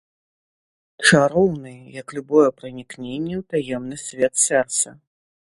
Чароўны, як любое пранікненне ў таемны свет сэрца.